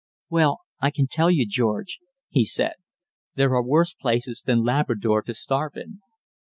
"Well, I can tell you, George," he said, "there are worse places than Labrador to starve in."